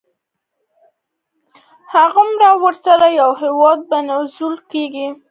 هغومره ورسره یو هېواد بېوزله کېږي.